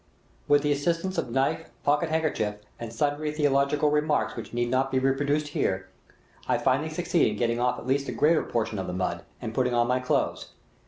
With the assistance of knife, pocket handkerchief, and sundry theological remarks which need not be reproduced here, I finally succeed in getting off at least the greater portion of the mud, and putting on my clothes.